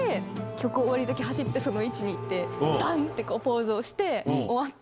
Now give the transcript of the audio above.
曲終わりで走って位置に行ってダン！ってポーズをして。